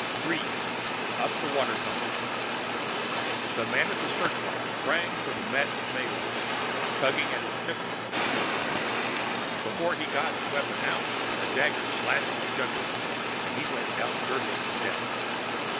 3. Up the Water Tunnel The man at the searchlight sprang for the maddened Malays, tugging at his pistol as he jumped. Before he got the weapon out, a dagger slashed his jugular and he went down gurgling in death.